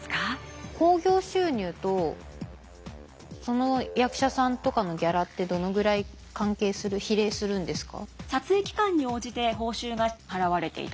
興行収入とその役者さんとかのギャラってどのぐらい関係する比例するんですか？